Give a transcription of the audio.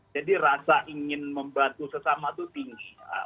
jadi rasa ingin membantu sesama itu tinggi